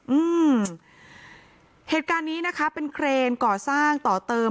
อืมเหตุการณ์นี้นะคะเป็นเครนก่อสร้างต่อเติม